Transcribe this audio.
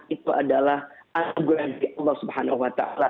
itu adalah aguran dari allah swt